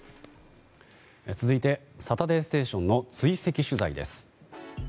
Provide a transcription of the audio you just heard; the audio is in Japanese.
続いて「サタデーステーション」の追跡取材です。